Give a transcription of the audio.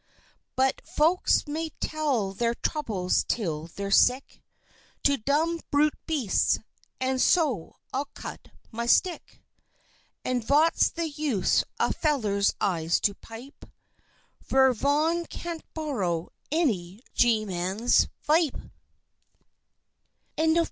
"But folks may tell their Troubles till they're sick To dumb brute Beasts, and so I'll cut my Stick! And vot's the Use a Feller's Eyes to pipe Vere von can't borrow any Gemman's Vipe?" LIEUTENANT LUFF.